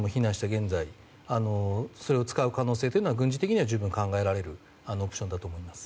現在それを使う可能性は軍事的には、十分考えられるオプションだと思います。